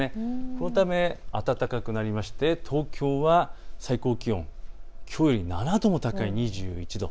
このため暖かくなりまして東京は最高気温きょうより７度も高い２１度。